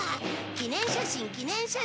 記念写真記念写真！